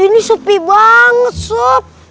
ini supi banget sob